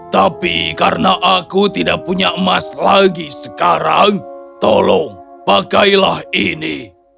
tapi karena aku tidak punya emas lagi sekarang tolong pakailah ini